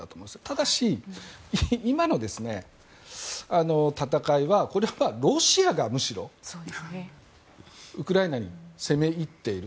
ただし、今の戦いはこれはロシアがむしろウクライナに攻め入っている。